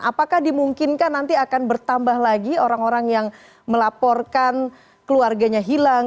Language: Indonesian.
apakah dimungkinkan nanti akan bertambah lagi orang orang yang melaporkan keluarganya hilang